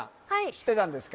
知ってたんですか？